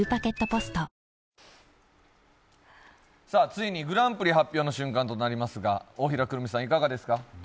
ついにグランプリ発表の瞬間となりますが、大平くるみさん、いかがですか？